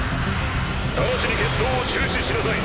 直ちに決闘を中止しなさい。